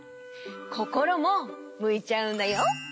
こころもむいちゃうんだよ。